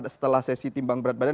setelah sesi timbang berat badan